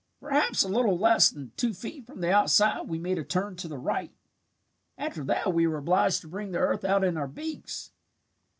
"Perhaps a little less than two feet from the outside we made a turn to the right. After that we were obliged to bring the earth out in our beaks.